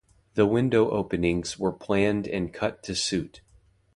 The window openings were planned and cut to suit.